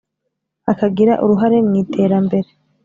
akagira uruhare mu iterambere